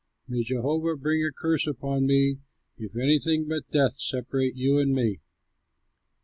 May Jehovah bring a curse upon me, if anything but death separate you and me."